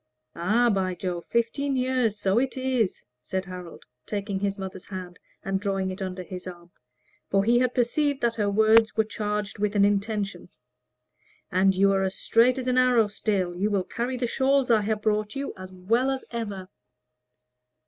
"Ah, by Jove! fifteen years so it is!" said Harold, taking his mother's hand and drawing it under his arm; for he had perceived that her words were charged with an intention. "And you are as straight as an arrow still; you will carry the shawls I have brought you as well as ever."